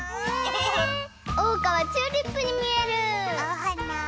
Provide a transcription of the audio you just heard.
おうかはチューリップにみえる！おはな？